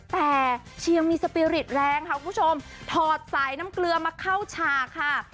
แต่เชียงมีสปีริตแรงค่ะคุณผู้ชมถอดสายน้ำเกลือมาเข้าฉากค่ะ